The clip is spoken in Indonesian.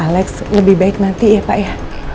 alex lebih baik nanti ya pak ya